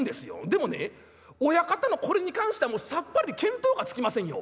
でもね親方のこれに関してはもうさっぱり見当がつきませんよ。